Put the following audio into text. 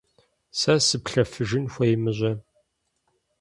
Сэ сыплъэфыжын хуеймэ-щэ?